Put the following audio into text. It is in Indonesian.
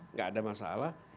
enggak ada masalah